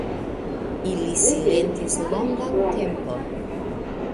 Ili silentis longan tempon.